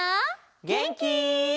げんき？